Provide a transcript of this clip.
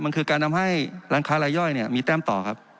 มันคือการทำให้ร้านค้ารายย่อยมีแต้มต่อครับ